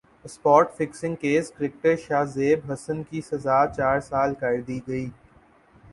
spot fixing case cricketer Shahzeb Hasan کی سزا چار سال کر دی گئی